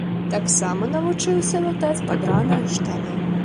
Таксама навучыўся латаць падраныя штаны.